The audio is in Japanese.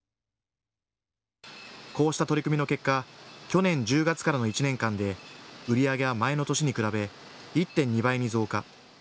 こうした取り組みの結果、去年１０月からの１年間で売り上げは前の年に比べ１．２倍に増加。